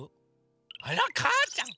あらかーちゃん